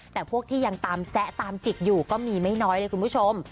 แต่พวกที่ยังตามแซะตามจิกอยู่ก็มีไม่น้อยเลยคุณผู้ชม